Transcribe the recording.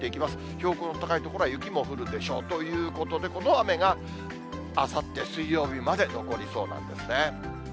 標高の高い所は雪も降るでしょうということで、この雨があさって水曜日まで残りそうなんですね。